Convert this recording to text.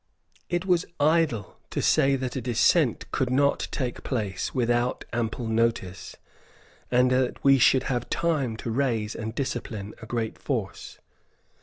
It was idle to say that a descent could not take place without ample notice, and that we should have time to raise and discipline a great force.